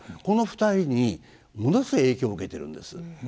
この２人にものすごい影響を受けているんです。